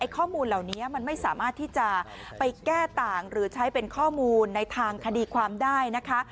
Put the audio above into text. ข้อมูลเหล่านี้มันไม่สามารถที่จะไปแก้ต่างหรือใช้เป็นข้อมูลในทางคดีความได้นะคะ